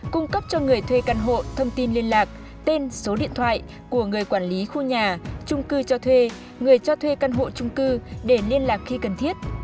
cung cấp cho người thuê căn hộ thông tin liên lạc tên số điện thoại của người quản lý khu nhà trung cư cho thuê người cho thuê căn hộ trung cư để liên lạc khi cần thiết